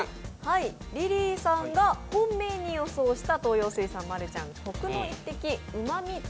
リリーさんが本命に予想した東洋水産、マルちゃんコクの一滴旨み鶏